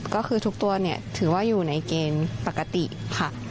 ก็คือทุกตัวเนี่ยถือว่าอยู่ในเกณฑ์ปกติค่ะ